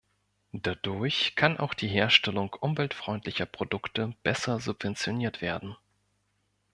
Dadurch kann auch die Herstellung umweltfreundlicher Produkte besser subventioniert werden.